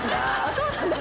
そうなんだ。